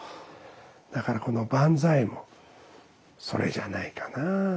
だからこの「万歳」もそれじゃないかなあ。